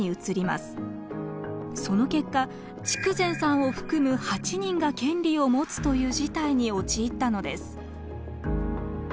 その結果筑前さんを含む８人が権利を持つという事態に陥ったのです。